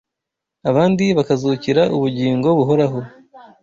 abandi bakazukira ubugingo buhoraho